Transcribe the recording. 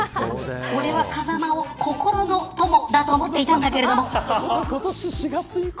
俺は風間を心の友だと思っていたんだけど。